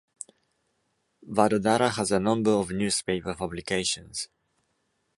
Vadodara has a number of newspaper publications.